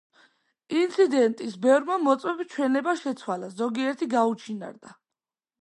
ინციდენტის ბევრმა მოწმემ ჩვენება შეცვალა; ზოგიერთი გაუჩინარდა.